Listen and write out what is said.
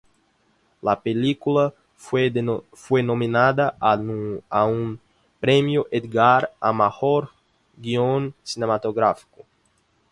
La película fue nominada a un Premio Edgar a Mejor Guión Cinematográfico.